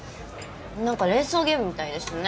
なんか連想ゲームみたいですね。